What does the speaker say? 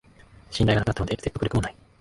信頼がなくなったので説得力もない